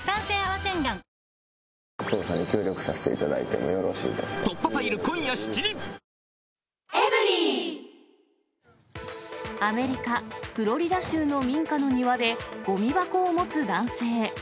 天気予報でアメリカ・フロリダ州の民家の庭で、ごみ箱を持つ男性。